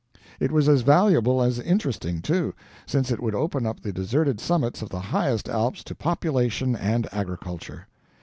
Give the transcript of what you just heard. It was as valuable as interesting, too, since it would open up the deserted summits of the highest Alps to population and agriculture.